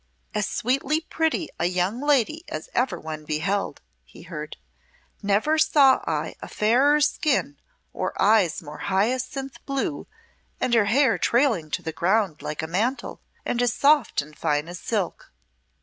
"As sweetly pretty a young lady as ever one beheld," he heard. "Never saw I a fairer skin or eyes more hyacinth blue and her hair trailing to the ground like a mantle, and as soft and fine as silk."